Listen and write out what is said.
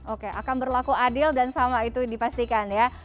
oke akan berlaku adil dan sama itu dipastikan ya